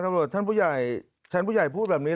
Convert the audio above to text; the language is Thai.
ตำรวจชั้นผู้ใหญ่พูดแบบนี้